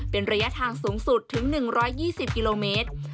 เป็นระยะทางสูงสุดถึง๑๒๐กิโลเมตร